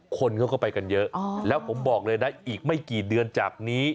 คนเขาก็ไปกันเยอะแล้วผมบอกเลยนะอีกไม่กี่เดือนจากนี้